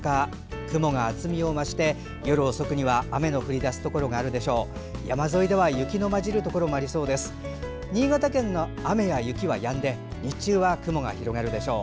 雲が厚みを増して夜遅くには雨の降り出すところもあるでしょう。